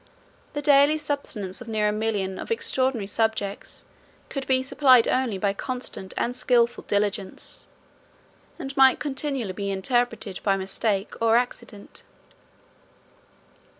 The daily subsistence of near a million of extraordinary subjects could be supplied only by constant and skilful diligence, and might continually be interrupted by mistake or accident.